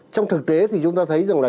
trong thực tế thì chúng ta thấy rằng là